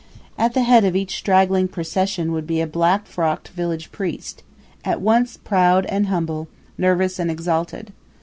At the head of each straggling procession would be a black frocked village priest, at once proud and humble, nervous and exalted.